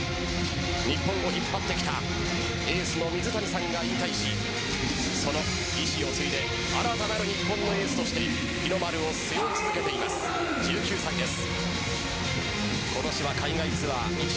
日本を引っ張ってきたエースの水谷さんが引退しその意思を継いで新たなる日本のエースとしてＴＯＰ３２第３回大会船橋アリーナ男子決勝戦です。